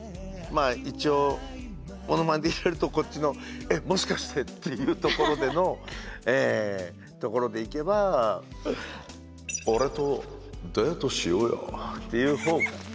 まあ一応ものまねで言うとこっちの「えっもしかして？」っていうところでのところでいけば「俺とデートしようよ」っていう方が。